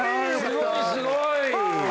すごいすごい！